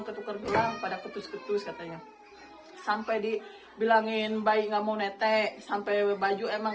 ketukar bilang pada ketus ketus katanya sampai dibilangin baik nggak mau netek sampai baju emang